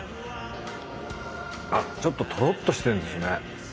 あっちょっととろっとしてるんですね。